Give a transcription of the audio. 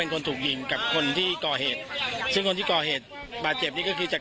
ทันซะประมาณนั้นนี่ส่วนของตัวผู้ก่อเหตุเองอะนะคะเรา